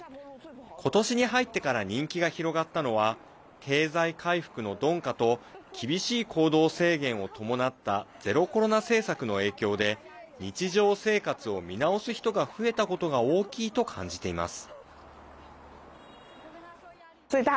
今年に入ってから人気が広がったのは経済回復の鈍化と厳しい行動制限を伴ったゼロコロナ政策の影響で日常生活を見直す人が増えたことが大きいと感じています。